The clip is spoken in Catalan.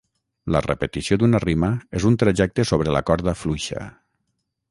La repetició d'una rima és un trajecte sobre la corda fluixa.